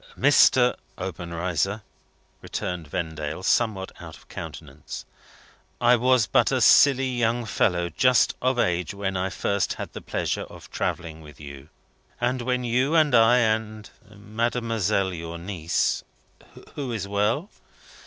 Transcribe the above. "Mr. Obenreizer," returned Vendale, somewhat out of countenance, "I was but a silly young fellow, just of age, when I first had the pleasure of travelling with you, and when you and I and Mademoiselle your niece who is well?"